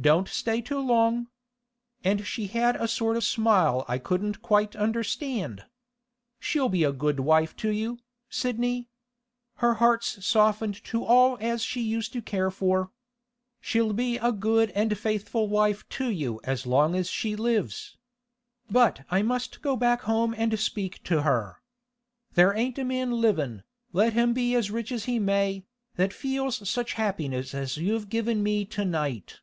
"Don't stay too long." And she had a sort o' smile I couldn't quite understand. She'll be a good wife to you, Sidney. Her heart's softened to all as she used to care for. She'll be a good and faithful wife to you as long as she lives. But I must go back home and speak to her. There ain't a man livin', let him be as rich as he may, that feels such happiness as you've given me to night.